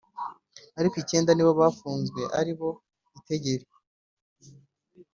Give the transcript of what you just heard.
ariko icyenda nibo bafunzwe aribo Itegeri